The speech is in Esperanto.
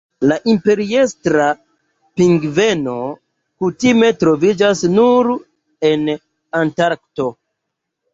La Imperiestra pingveno kutime troviĝas nur en Antarkto.